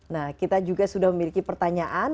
nah kita juga sudah memiliki pertanyaan